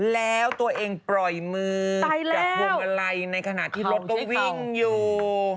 แล้วตัวเองปล่อยมือจากพวงมาลัยในขณะที่รถก็วิ่งอยู่